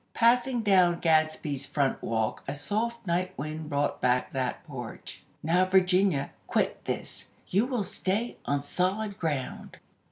Passing down Gadsby's front walk, a soft night wind brought back to that porch: "Now, Virginia, quit this! You will stay _on solid ground!